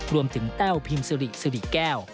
รวมถึงแต้วพิมสริสริแก้ว